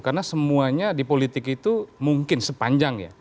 karena semuanya di politik itu mungkin sepanjang ya